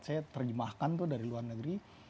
saya terjemahkan tuh dari luar negeri